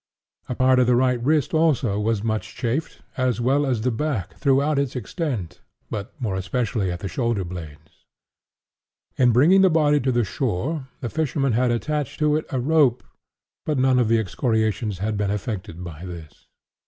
A part of the right wrist, also, was much chafed, as well as the back throughout its extent, but more especially at the shoulder blades. In bringing the body to the shore the fishermen had attached to it a rope; but none of the excoriations had been effected by this.